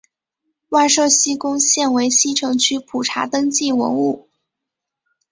万寿西宫现为西城区普查登记文物。